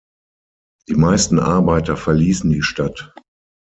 Die meisten Arbeiter verließen die Stadt.